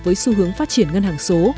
với xu hướng phát triển ngân hàng số